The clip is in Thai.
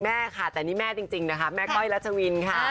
แม่ค่ะแต่นี่แม่จริงนะคะแม่ก้อยรัชวินค่ะ